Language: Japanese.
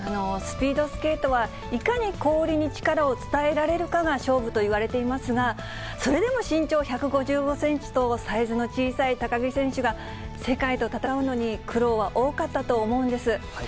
スピードスケートは、いかに氷に力を伝えられるかが勝負といわれていますが、それでも身長１５５センチとサイズの小さい高木選手が、世界と戦うのに苦労は多かったと思うんです。